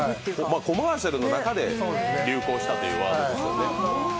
コマーシャルの中で流行したというワードですよね。